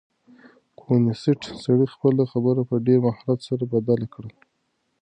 کمونيسټ سړي خپله خبره په ډېر مهارت سره بدله کړه.